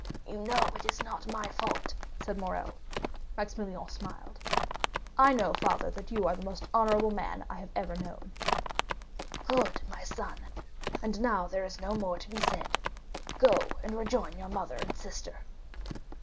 "You know it is not my fault," said Morrel. 20057m Maximilian smiled. "I know, father, you are the most honorable man I have ever known." "Good, my son. And now there is no more to be said; go and rejoin your mother and sister."